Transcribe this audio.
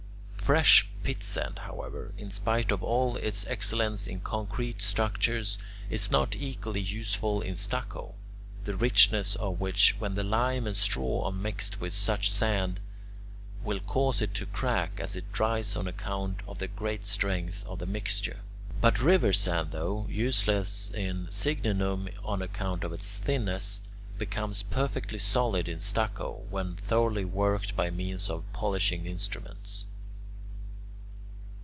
Fresh pitsand, however, in spite of all its excellence in concrete structures, is not equally useful in stucco, the richness of which, when the lime and straw are mixed with such sand, will cause it to crack as it dries on account of the great strength of the mixture. But river sand, though useless in "signinum" on account of its thinness, becomes perfectly solid in stucco when thoroughly worked by means of polishing instruments.